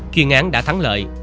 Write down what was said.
tuyên án đã thắng lợi